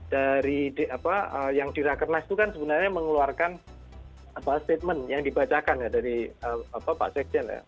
dari apa yang di rakernas itu kan sebenarnya mengeluarkan statement yang dibacakan ya dari pak sekjen ya